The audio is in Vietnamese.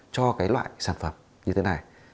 cho cái loại sản phẩm như thế này